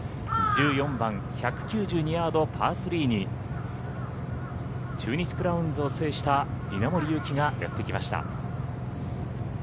１４番１９２ヤード、パー３に中日クラウンズを制した稲森佑貴がやってきました。